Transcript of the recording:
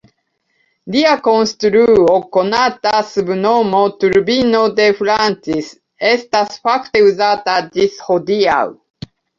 Lia konstruo konata sub nomo Turbino de Francis estas fakte uzata ĝis hodiaŭ.